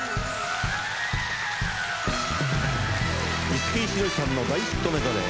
五木ひろしさんの大ヒットメドレー。